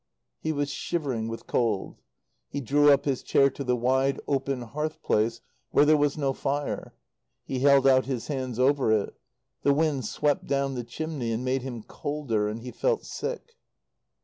He was shivering with cold. He drew up his chair to the wide, open hearth place where there was no fire; he held out his hands over it. The wind swept down the chimney and made him colder; and he felt sick.